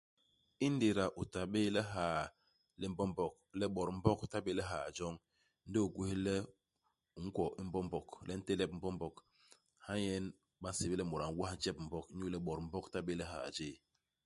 Ingéda u ta bé i lihaa li Mbombog, le Bot i Mbog i ta bé i lihaa joñ, ndi u gwés le u nkwo Mbombog, le u ntelep Mbombog, ha nyen ba nsébél le mut a n'was ntjep u Mbog, inyu le Bot i Mbog i ta bé i lihaa jéé.